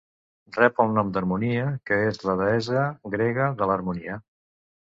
Rep el nom d'Harmonia, que és la deessa grega de l'harmonia.